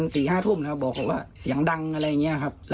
ด่าเรื่องกินเหล้าเสียงดังเนี่ยเหรอ